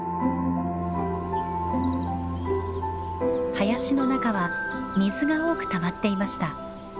林の中は水が多くたまっていました。